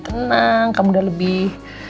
tenang kamu udah lebih